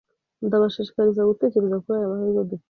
Ndabashishikariza gutekereza kuri aya mahirwe dufite